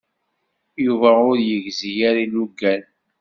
Yuba ur yegzi ara ilugan.